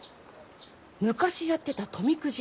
昔やってた富くじ